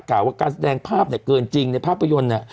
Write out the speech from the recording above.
กล่าวว่าการแสดงภาพเกินจริงในภาพยนตร์